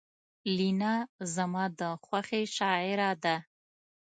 لینا زما د خوښې شاعره ده